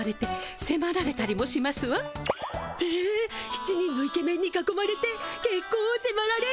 ７人のイケメンにかこまれて結婚をせまられるの？